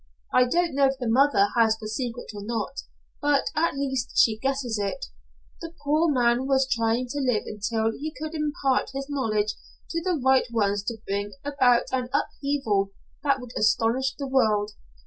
I don't know if the mother has the secret or not, but at least she guesses it. The poor man was trying to live until he could impart his knowledge to the right ones to bring about an upheaval that would astonish the world.